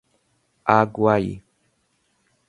Aguaí